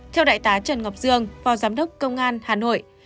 theo đại tá trần ngọc dương phó giám đốc công an hà nội